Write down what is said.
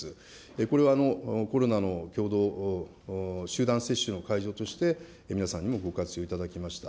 これは、コロナの共同、集団接種の会場として、皆さんにもご活用いただきました。